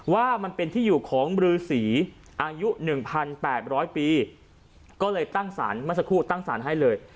ว่ามันเป็นที่อยู่ของรือสีอายุ๑๘๐๐ปีก็เลยตั้งสารเมื่อสักครู่ตั้งสารให้เลย